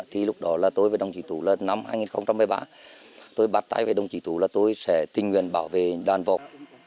thì lúc đó là tôi với đồng chỉ tù lên năm hai nghìn một mươi ba tôi bắt tay với đồng chỉ tù là tôi sẽ tình nguyện bảo vệ đàn vọc